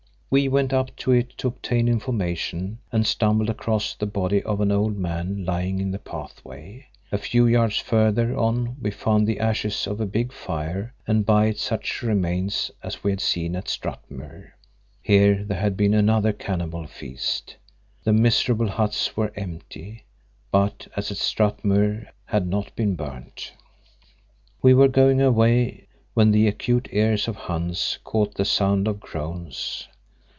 We went up to it to obtain information and stumbled across the body of an old man lying in the pathway. A few yards further on we found the ashes of a big fire and by it such remains as we had seen at Strathmuir. Here there had been another cannibal feast. The miserable huts were empty, but as at Strathmuir, had not been burnt. We were going away when the acute ears of Hans caught the sound of groans.